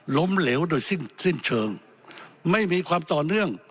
ล้มเหลวโดยสิ้นสิ้นเชิงไม่มีความต่อเนื่อง